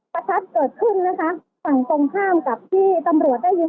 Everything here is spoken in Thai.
ประทัดเกิดขึ้นนะคะฝั่งตรงข้ามกับที่ตำรวจได้ยิน